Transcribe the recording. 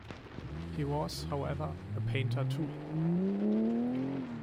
He was, however, a painter too.